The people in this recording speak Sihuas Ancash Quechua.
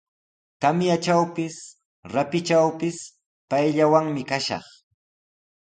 Tamyatrawpis, rapitrawpis payllawanmi kashaq.